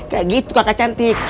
kayak gitu kakak cantik